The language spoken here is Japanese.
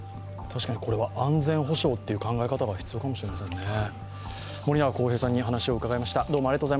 確かにこれは安全保障という考え方が必要かもしれませんね。